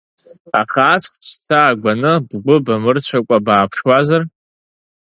Аха аҵх цәца агәаны, бгәы бамырцәакәа бааԥшуазар…